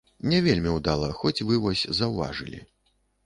Не вельмі ўдала, хоць вы вось заўважылі.